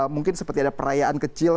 mungkin seperti ada perayaan kecil